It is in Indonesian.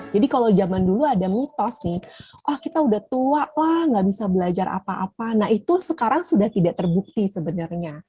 jadi kalau zaman dulu ada mitos nih oh kita udah tua wah gak bisa belajar apa apa nah itu sekarang sudah tidak terbukti sebenarnya